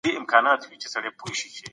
په علم کي هيڅکله تعصب مه کوئ.